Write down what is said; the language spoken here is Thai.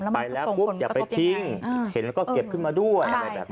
ไปแล้วจะไปทิ้งเห็นแล้วก็เก็บขึ้นมาด้วย